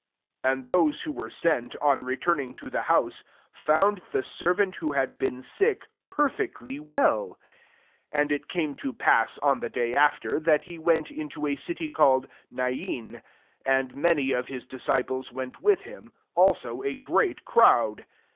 10 And those ,who were sent, on returning to the house, found the servant who had been sick, perfectly welL 11 And it came to pass, on the day after, that he went a city called Nain : and [^m of] his disciples went with ' also a great crowd.